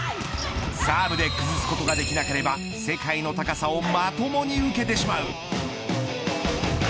サーブで崩すことができなければ世界の高さをまともに受けてしまう。